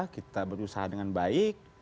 kita berusaha dengan baik